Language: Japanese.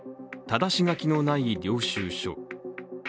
ただし書きのない領収書。